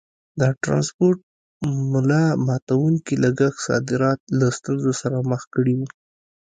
د ټرانسپورټ ملا ماتوونکي لګښت صادرات له ستونزو سره مخ کړي وو.